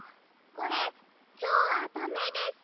これきょうはダメです！